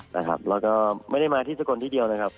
แล้วก็ไม่ได้มาที่สกลที่เดียวนะครับ